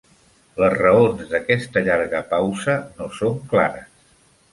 Les raons d'aquesta llarga pausa no són clares.